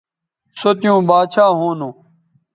سو توؤں باچھا ھونو